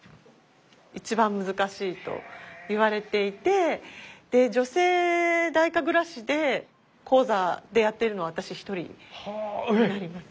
一番難しいといわれていて女性太神楽師で高座でやってるのは私一人になります。